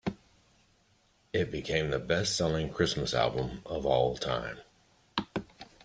It became the best selling Christmas album of all time.